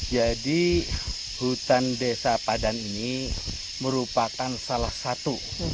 jadi hutan desa padan ini merupakan salah satu